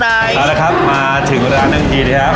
เอาละครับมาถึงร้านน้ำกลีดครับ